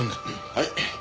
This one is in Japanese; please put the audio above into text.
はい。